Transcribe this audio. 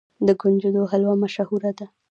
د کنجدو حلوه مشهوره ده.